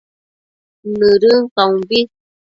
Nëdën caumbi